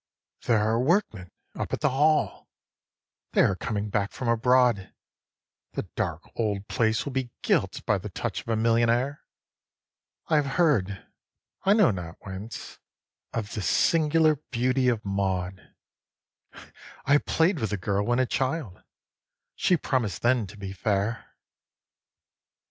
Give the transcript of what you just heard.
17. There are workmen up at the Hall: they are coming back from abroad; The dark old place will be gilt by the touch of a millionnaire: I have heard, I know not whence, of the singular beauty of Maud; I play*d with the girl when a child; she promised then to be fair.